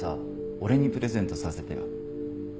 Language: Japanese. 俺にプレゼントさせてよ。